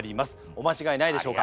お間違えないでしょうか？